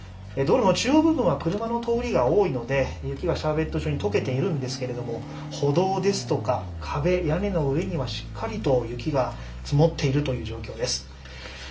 道路の中央部分は車の通りが多いので雪がシャーベット状に解けているんですが歩道ですとか壁、屋根の上にはしっかりと雪が積もっているという状況です。